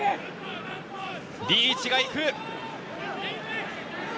リーチが行く。